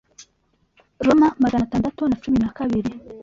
Roma magana atandatu na cumi nakabiri